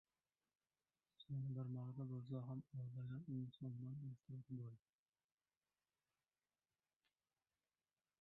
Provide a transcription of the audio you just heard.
Seni bir marta bo‘lsa ham aldagan insondan ehtiyot bo‘l.